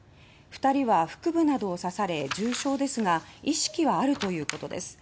２人は腹部などを刺され重傷ですが意識はあるということです。